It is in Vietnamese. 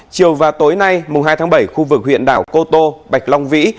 chiều và tối nay mùng hai tháng bảy khu vực huyện đảo cô tô bạch long vĩ